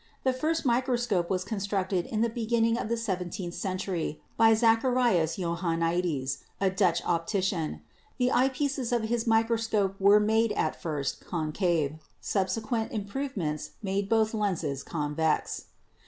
The first microscope was constructed in the beginning of the seventeenth century by Zacharias Johannides, a Dutch optician. The eyepieces of his microscope were made at first concave; subsequent improvements made both lenses convex.